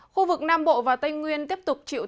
khu vực nam bộ và tây nguyên tiếp tục chịu tác động